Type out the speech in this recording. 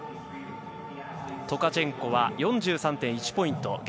トカチェンコは４３．１ポイント。